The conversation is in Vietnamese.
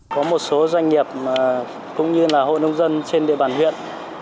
có một số doanh nghiệp cũng như là hội nông dân trên địa bàn huyện